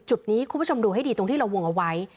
จุดนี้คุณผู้ชมดูให้ดีตรงที่เราวงเอาไว้